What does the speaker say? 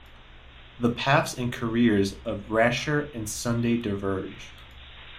The paths and careers of Brashear and Sunday diverge.